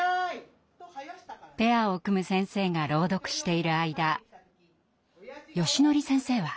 ペアを組む先生が朗読している間よしのり先生は。